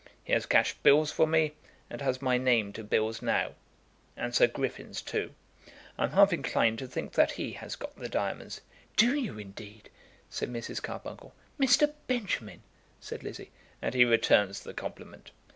He has cashed bills for me, and has my name to bills now, and Sir Griffin's too. I'm half inclined to think that he has got the diamonds." "Do you indeed?" said Mrs. Carbuncle. "Mr. Benjamin!" said Lizzie. "And he returns the compliment."